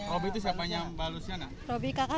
robby itu siapanya mbak lusiana